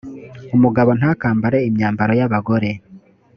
umugabo ntakambare imyambaro y’abagore;